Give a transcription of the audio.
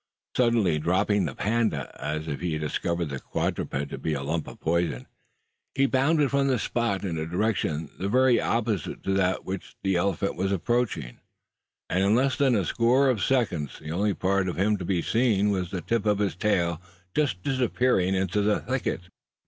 Suddenly dropping the panda as if he had discovered the quadruped to be a lump of poison he bounded from the spot in a direction the very opposite to that by which the elephant was approaching; and in less than a score of seconds the only part of him to be seen was the tip of his tail just disappearing into the thicket.